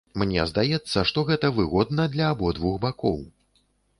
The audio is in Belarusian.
Мне здаецца, што гэта выгодна для абодвух бакоў.